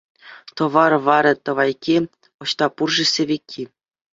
Тӑвар варӗ — тӑвайкки, ӑҫта пур-ши сӗвекки?